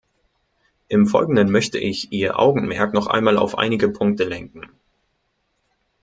Im Folgenden möchte ich Ihr Augenmerk noch einmal auf einige Punkte lenken.